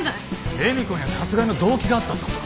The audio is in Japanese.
恵美子には殺害の動機があったって事か。